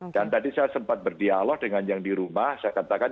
dan tadi saya sempat berdialog dengan yang di rumah saya katakan